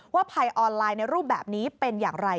ภัยออนไลน์ในรูปแบบนี้เป็นอย่างไร